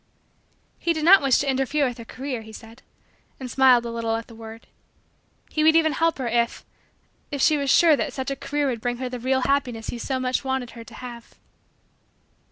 He did not wish to interfere with her career, he said and smiled a little at the word. He would even help her if if she was sure that such a career would bring her the real happiness he so much wanted her to have.